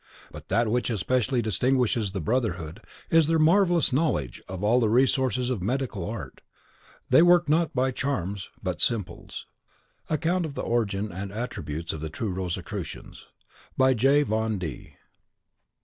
But that which especially distinguishes the brotherhood is their marvellous knowledge of all the resources of medical art. They work not by charms, but simples. "MS. Account of the Origin and Attributes of the true Rosicrucians," by J. Von D